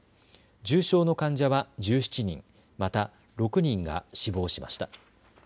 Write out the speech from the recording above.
重症の患者は１７人、また６人が死亡しました。